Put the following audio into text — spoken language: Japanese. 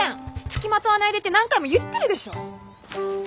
付きまとわないでって何回も言ってるでしょう！